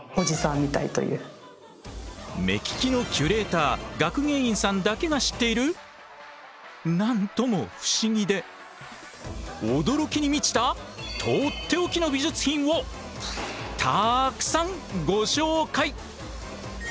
目利きのキュレーター学芸員さんだけが知っている何とも不思議で驚きに満ちたとっておきの美術品をたくさんご紹介。